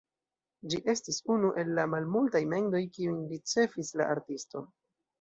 Ĝi estis unu el la malmultaj mendoj, kiujn ricevis la artisto.